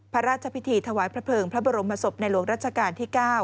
พระราชพิธีถวายพระเภิงพระบรมศพในหลวงรัชกาลที่๙